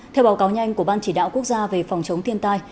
theo báo cáo nhanh của ban chỉ đạo quốc gia về phòng chống thiên tai